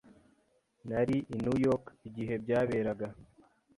Nari i New York igihe byaberaga.